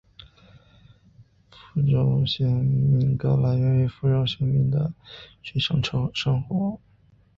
福州疍民渔歌来源于福州疍民的水上生活。